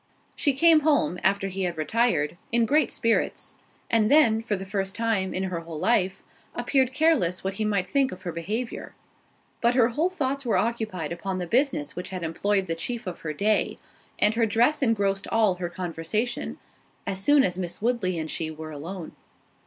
She came home, after he had retired, in great spirits; and then, for the first time, in her whole life, appeared careless what he might think of her behaviour:—but her whole thoughts were occupied upon the business which had employed the chief of her day; and her dress engrossed all her conversation, as soon as Miss Woodley and she were alone.